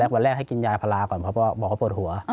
วันแรกให้กินยาพลาก่อนเพราะบอกเขาปวดหัว